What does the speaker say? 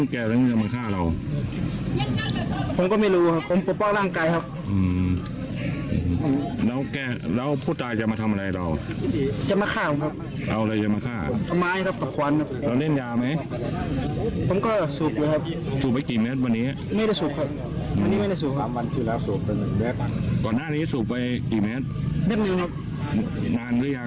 ก่อนหน้านี้สูบไปกี่เมตรไม่มีครับนานก็ยังสามสองสามวันที่เดียวครับอืม